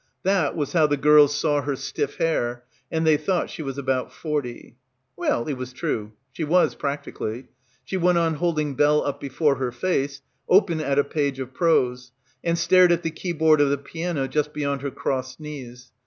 That was how the girls saw her stiff hair — and they thought she was "about forty." Well, it was true. She was, practically. She went on holding Bell up before her face, open at a page of prose, and stared at the keyboard of the piano just beyond her crossed knees.